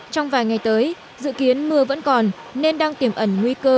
trong vài ngày tới dự kiến mưa vẫn còn nên đang tiềm ẩn nguy cơ